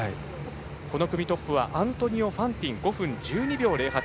この組トップはアントニオ・ファンティン５分１２秒０８。